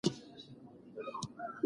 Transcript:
که ته ستړې یې نو لږ وخت لپاره ویده شه.